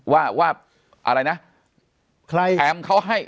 ว่าอะไรนะ